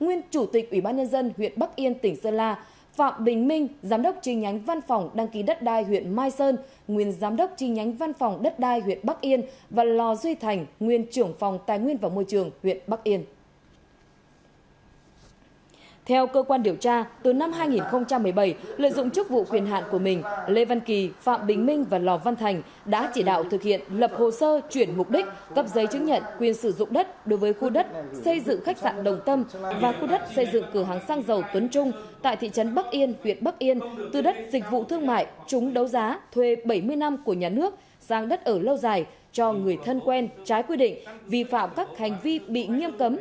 nguyên chủ tịch ủy ban nhân dân huyện bắc yên tỉnh sơn la phạm bình minh giám đốc tri nhánh văn phòng đai huyện mai sơn nguyên trưởng phòng đai huyện mai sơn nguyên trưởng phòng đai huyện mai sơn nguyên trưởng phòng đai huyện mai sơn nguyên trưởng phòng đai huyện mai sơn nguyên trưởng phòng đai huyện mai sơn nguyên trưởng phòng đai huyện mai sơn nguyên trưởng phòng đai huyện mai sơn nguyên trưởng phòng đai huyện mai sơn nguyên trưởng phòng đai huyện mai sơn nguyên trưởng phòng đai huyện mai sơn nguyên trưởng ph